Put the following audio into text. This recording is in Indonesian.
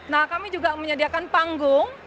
nah kami juga menyediakan panggung